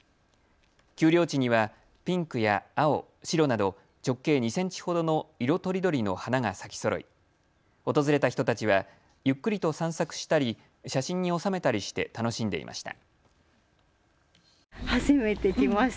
丘陵地にはピンクや青、白など直径２センチほどの色とりどりの花が咲きそろい、訪れた人たちはゆっくりと散策したり写真に収めたりして楽しんでいました。